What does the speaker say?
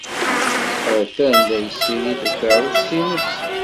Atan la yessirid takeṛṛust-nnes.